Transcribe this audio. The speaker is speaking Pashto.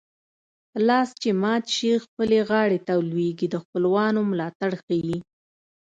لاس چې مات شي خپلې غاړې ته لوېږي د خپلوانو ملاتړ ښيي